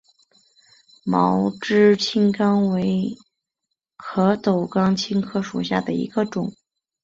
毛枝青冈为壳斗科青冈属下的一个种。